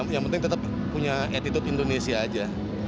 yang penting tetap punya attitude indonesia aja